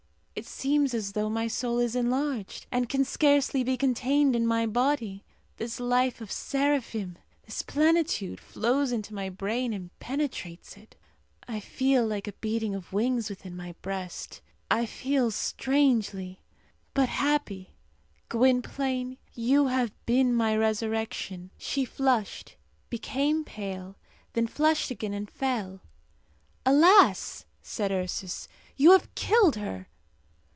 It seems as though my soul is enlarged, and can scarcely be contained in my body. This life of seraphim, this plenitude, flows into my brain and penetrates it. I feel like a beating of wings within my breast. I feel strangely, but happy. Gwynplaine, you have been my resurrection." She flushed, became pale, then flushed again, and fell. "Alas!" said Ursus, "you have killed her."